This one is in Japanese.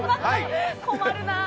困るな。